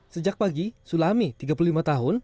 sejak pagi sulami tiga puluh lima tahun